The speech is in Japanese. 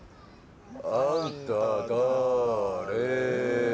あんた、だぁれ？